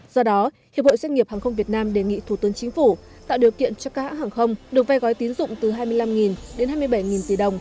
do đó hiệp hội doanh nghiệp hàng không việt nam đề nghị thủ tướng chính phủ tạo điều kiện cho các hãng hàng không được vay gói tín dụng từ hai mươi năm đến hai mươi bảy tỷ đồng